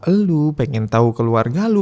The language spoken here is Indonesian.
elu pengen tau keluarga lu